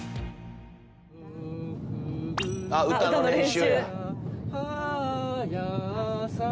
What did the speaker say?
あっ歌の練習。